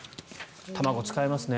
卵、使いますね。